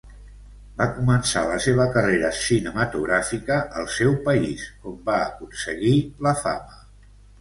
Va començar la seva carrera cinematogràfica al seu país on va aconseguir la fama.